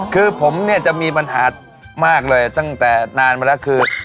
คือผมเนี่ยจะมีปัญหามากเลยตั้งแต่นานมาแล้วคือ